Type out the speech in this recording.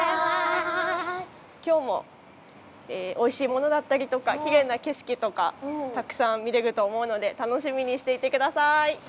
今日もおいしいものだったりとかきれいな景色とかたくさん見れると思うので楽しみにしていてください。